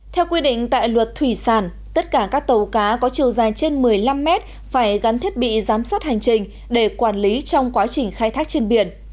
theo quy định tại luật thủy sản tất cả các tàu cá có chiều dài trên một mươi năm mét phải gắn thiết bị giám sát hành trình để quản lý trong quá trình khai thác trên biển